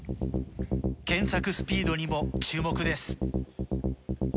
検索スピードにも注目です。